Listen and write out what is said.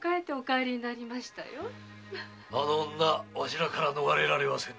あの女わしらから逃れられはせぬ。